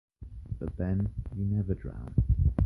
But then, you never drown.